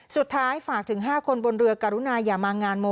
สุดท้ายฝากถึง๕คนบนเรือกรุณาอย่ามางานโม